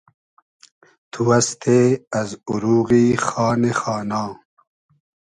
تو استې از اوروغی خانی خانا